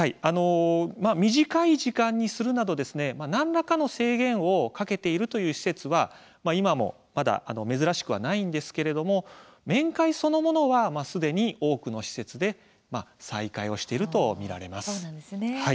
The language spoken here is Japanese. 短い時間にするなど何らかの制限をかけているという施設は今もまだ珍しくはないんですが面会そのものはすでに多くの施設で再開をしていると見られます。